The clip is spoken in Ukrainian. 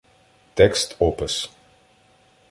Текст-опис